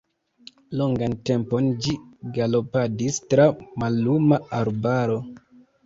Longan tempon ĝi galopadis tra malluma arbaro.